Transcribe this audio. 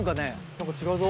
何か違うぞ。